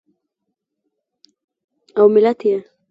او ملت یې